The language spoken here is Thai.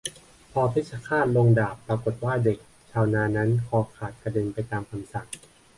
พอเพชฌฆาตลงดาบปรากฏว่าเด็กชาวนานั้นคอขาดกระเด็นไปตามคำสั่ง